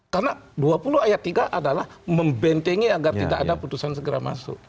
karena dua puluh ayat tiga adalah membentengi agar tidak ada putusan segera masuk